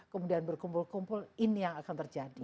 kemudian berkumpul kumpul ini yang akan terjadi